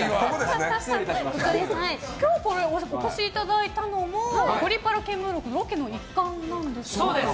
今日お越しいただいたのも「ゴリパラ見聞録」のロケの一環なんですか？